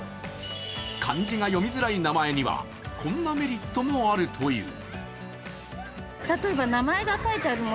漢字が読みづらい名前にはこんなメリットもあるという。